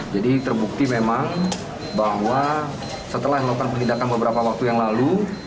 jadi terbukti memang bahwa setelah melakukan penindakan beberapa waktu yang lalu